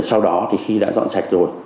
sau đó khi đã dọn sạch rồi